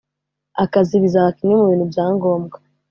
akazi bizaba kimwe mu bintu bya ngombwa